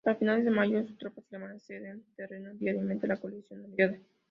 Para finales de mayo, las tropas alemanas ceden terreno diariamente a la coalición aliada.